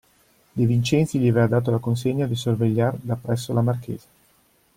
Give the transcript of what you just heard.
De Vincenzi gli aveva dato la consegna di sorvegliar da presso la marchesa.